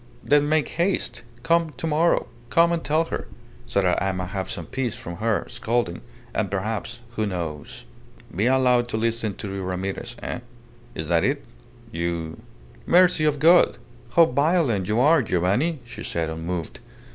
"Then make haste. Come to morrow. Come and tell her, so that I may have some peace from her scolding and perhaps who knows ..." "Be allowed to listen to your Ramirez, eh? Is that it? You ..." "Mercy of God! How violent you are, Giovanni," she said, unmoved.